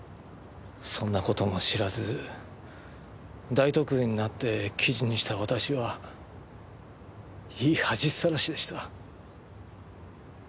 そんな事も知らず大得意になって記事にした私はいい恥さらしでした。